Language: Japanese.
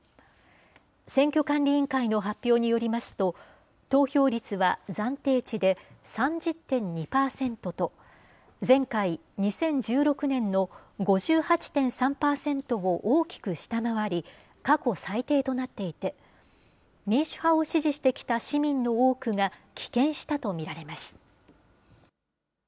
選挙管理委員会の発表によりますと、投票率は暫定値で３０．２％と、前回・２０１６年の５８．３％を大きく下回り、過去最低となっていて、民主派を支持してきた市民の多くが棄権したと見られます。